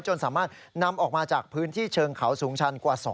จนสามารถนำออกมาจากพื้นที่เชิงเขาสูงชันกว่า